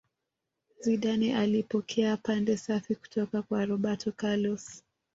zidane alipokea pande safi kutoka kwa roberto carlos